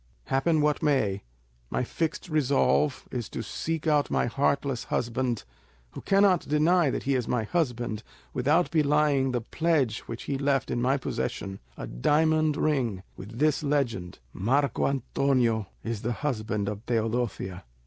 "Happen what may, my fixed resolve is to seek out my heartless husband, who cannot deny that he is my husband without belying the pledge which he left in my possession—a diamond ring, with this legend: 'Marco Antonio is the husband of Teodosia.'